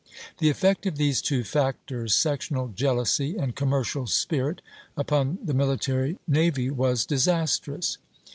The effect of these two factors, sectional jealousy and commercial spirit, upon the military navy was disastrous.